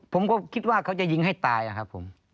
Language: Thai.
ผมก็คิดว่าเขาจะยิงให้ตายนะครับผม